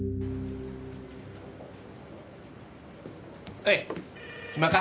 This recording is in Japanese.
おい暇か？